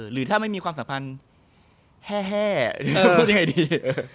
หรือถ้าไม่มีความสัมพันธ์แห้หรือยังไงดี